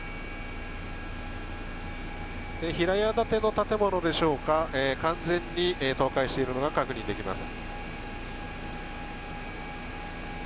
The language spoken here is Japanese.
平屋建ての建物でしょうか完全に倒壊しているのが確認できます。